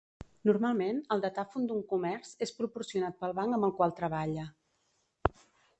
Normalment el datàfon d'un comerç és proporcionat pel banc amb el qual treballa.